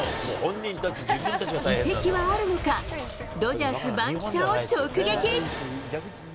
移籍はあるのか、ドジャース番記者を直撃。